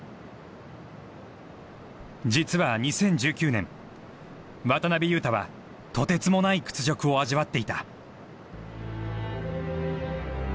実は２０１９年渡邊雄太はとてつもない屈辱を味わっていた。